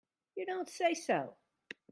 You don't say so!